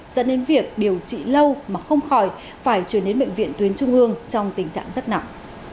dẫn đến việc điều trị lâu mà không khỏi phải chuyển đến bệnh viện tuyến trung ương trong tình trạng rất nặng